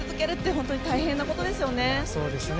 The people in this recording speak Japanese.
本当に大変なことですよね。